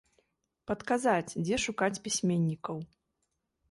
Падказаць, дзе шукаць пісьменнікаў.